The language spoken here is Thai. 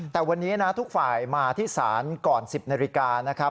แต่วันนี้ทุกฝ่ายมาที่สารก่อน๑๐นาฬิกา